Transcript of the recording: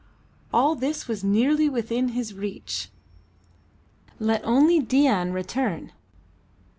All this was nearly within his reach. Let only Dain return!